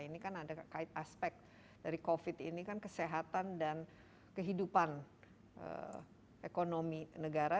ini kan ada kait aspek dari covid ini kan kesehatan dan kehidupan ekonomi negara